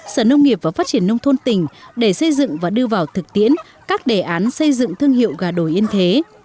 sở nông nghiệp và phát triển nông thôn tỉnh để xây dựng và đưa vào thực tiễn các đề án xây dựng thương hiệu gà đồi yên thế